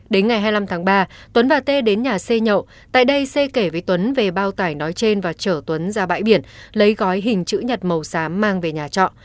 đến ngày hai mươi năm tháng ba tuấn và t đến nhà xây nhậu tại đây xây kể với tuấn về bao tải nói trên và chở tuấn ra bãi biển lấy gói hình chữ nhật màu xám mang về nhà trọ